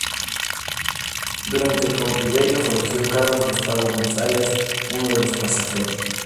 Durante el cautiverio falleció Carlos Gustavo González, uno de los pasajeros.